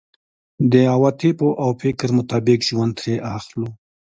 د عواطفو او فکر مطابق ژوند ترې اخلو.